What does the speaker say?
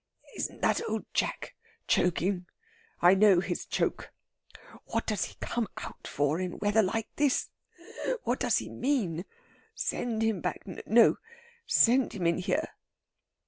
"Isn't that Old Jack choking? I know his choke. What does he come out for in weather like this? What does he mean? Send him back.... No, send him in here."